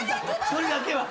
それだけは。